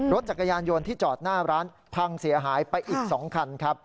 รถจักรยานยนต์ที่จอดหน้าร้านพังเสียหายไปอีก๒คันครับ